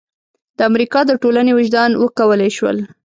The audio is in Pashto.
د امریکا د ټولنې وجدان وکولای شول.